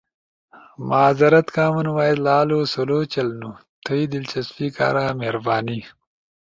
معذرت، کامن وائس لالو سلو چلنو، تھئی دلچسپی کارا مہربانی۔